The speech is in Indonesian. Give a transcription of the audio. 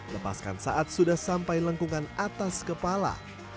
lepaskan saat sudah sampai lengkungan atas kepala